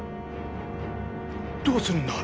どうするんだ？